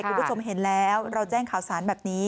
คุณผู้ชมเห็นแล้วเราแจ้งข่าวสารแบบนี้